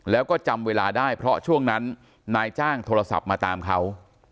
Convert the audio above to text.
แล้วก็จำเวลาได้เพราะช่วงนั้นนายจ้างโทรศัพท์มาตามเขา